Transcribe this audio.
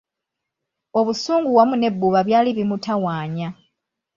Obusungu wamu n'ebbuba byali bimutawaanya.